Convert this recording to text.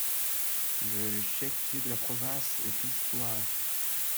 Le chef-lieu de la province est Pistoia.